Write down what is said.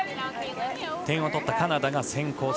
点を取ったカナダが先攻。